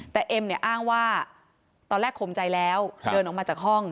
แต่เอ็มเนี่ยอ้างว่าตอนแรกขมใจแล้วเดินออกมาจากห้อง